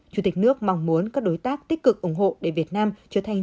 chủ tịch nước mong muốn các đối tác tích cực ủng hộ để việt nam trở thành